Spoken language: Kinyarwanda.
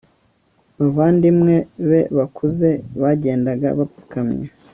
bavandimwe be bakuze bagendaga bapfukamye